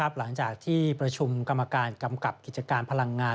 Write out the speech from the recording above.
หลังจากที่ประชุมกรรมการกำกับกิจการพลังงาน